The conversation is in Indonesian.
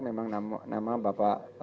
memang nama bapak